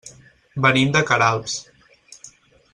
Venim de Queralbs.